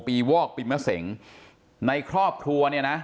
วอกปีมะเสงในครอบครัวเนี่ยนะ